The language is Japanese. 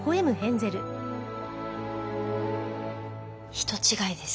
人違いです。